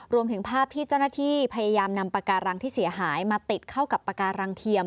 รวมถึงภาพที่เจ้าหน้าที่พยายามนำปาการังที่เสียหายมาติดเข้ากับปากการังเทียม